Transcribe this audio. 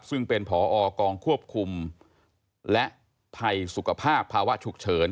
ซึ่งเป็นผอกองควบคุมและภัยสุขภาพภาวะภาวะฉุกเฉิน